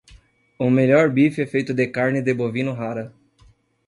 O melhor bife é feito de carne de bovino rara.